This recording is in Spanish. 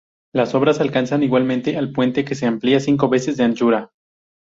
Las obras alcanzan igualmente al puente que se amplia cinco veces de anchura.